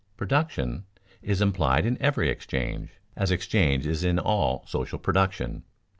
Production is implied in every exchange, as exchange is in all social production.